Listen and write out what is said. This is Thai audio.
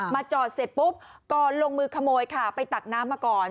จอดเสร็จปุ๊บก่อนลงมือขโมยค่ะไปตักน้ำมาก่อน